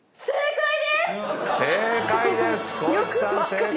正解です！